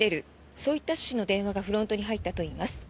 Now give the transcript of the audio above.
そういった趣旨の電話がフロントに入ったといいます。